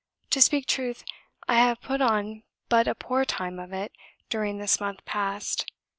To speak truth, I have put on but a poor time of it during this month past.